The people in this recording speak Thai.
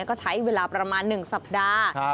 ก็ใช้เวลาประมาณ๑สัปดาห์